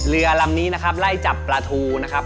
เรือลำนี้นะครับไล่จับปลาทูนะครับ